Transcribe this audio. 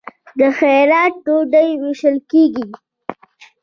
د خیرات ډوډۍ ویشل کیږي.